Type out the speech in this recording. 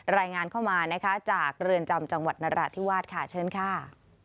รายงานเข้ามานะคะจากเรือนจำจังหวัดนราธิวาสค่ะเชิญค่ะ